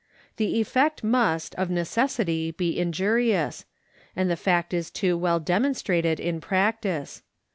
The effect must, of neces sity, be injurious, and the fact is too well demonstrated in prac tice.